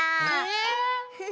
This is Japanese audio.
え？